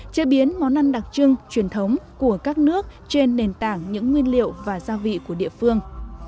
chế biến món ăn đặc trưng truyền thống của các nước trên nền tảng những nguyên liệu và gia vị của địa phương